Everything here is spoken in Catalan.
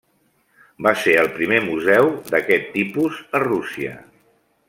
Va ser el primer museu d'aquest tipus a Rússia.